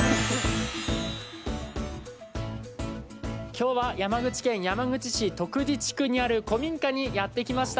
今日は山口県山口市徳地地区にある古民家にやって来ました。